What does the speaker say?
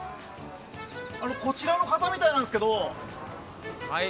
こちらの方みたいなんですけど。